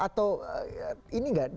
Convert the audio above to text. atau ini nggak